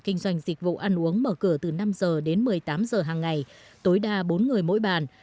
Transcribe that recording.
kinh doanh dịch vụ ăn uống mở cửa từ năm giờ đến một mươi tám giờ hàng ngày tối đa bốn người mỗi bàn